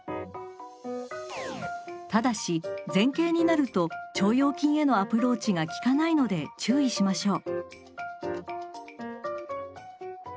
ただし前傾になると腸腰筋へのアプローチが効かないので注意しましょう。